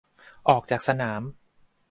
ออกจากสนาม